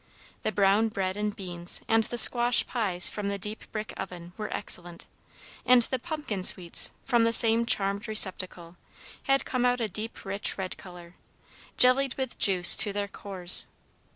The brown bread and beans and the squash pies from the deep brick oven were excellent; and the "pumpkin sweets," from the same charmed receptacle, had come out a deep rich red color, jellied with juice to their cores.